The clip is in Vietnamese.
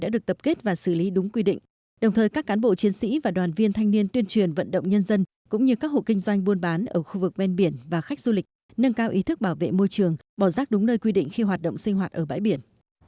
đồng thời các cán bộ chiến sĩ và đoàn viên thanh niên tuyên truyền vận động nhân dân cũng như các hộ kinh doanh buôn bán ở khu vực bên biển và khách du lịch nâng cao ý thức bảo vệ môi trường bỏ rác đúng nơi quy định khi hoạt động sinh hoạt ở bãi biển